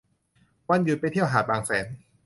วันหยุดไปเที่ยวหาดบางแสน